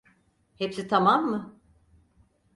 Hepsi tamam mı?